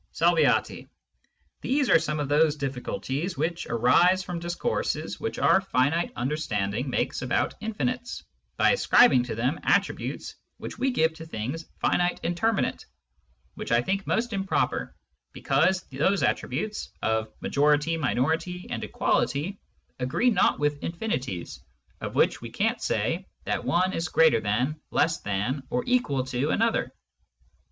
^^ Salv. These are some of those DiflSculties which arise from Discourses which our finite Understanding makes about Infinites, by ascribing to them Attributes which we give to Things finite and terminate, which I think'most improper, because those Attributes of Majority, Minority, and Equality, agree not with Infinities, of which we can't say that one is greater than, less than, or equal to another.